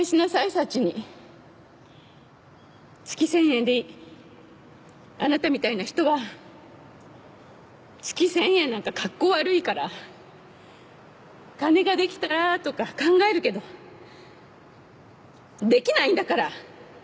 サチに月１０００円でいいあなたみたいな人は月１０００円なんかかっこ悪いから金ができたらとか考えるけどできないんだから！